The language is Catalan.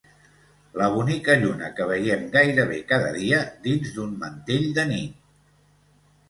La bonica lluna que veiem gairebé cada dia dins d'un mantell de nit.